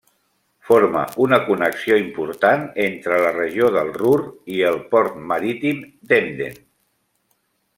Forma una connexió important entre la regió del Ruhr i el port marítim d'Emden.